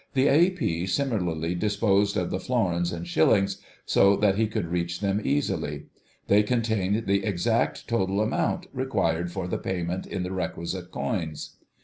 The A.P. similarly disposed of the florins and shillings, so that he could reach them easily. They contained the exact total amount required for the payment in the requisite coins.